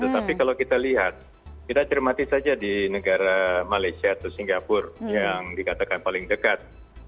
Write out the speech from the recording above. tetapi kalau kita lihat kita cermati saja di negara malaysia atau singapura yang dikatakan paling dekat